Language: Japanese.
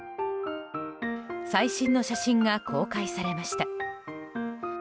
最新の写真が公開されました。